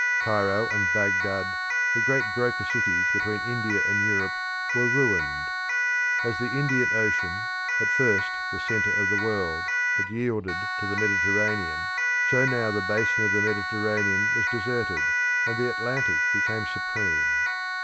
Cairo and Baghdad, the great broker cities between India and Europe, were ruined. As the Indian Ocean, at first the centre of the world, had yielded to the Mediterranean, so now the basin of the Mediterranean was deserted, and the Atlantic became supreme.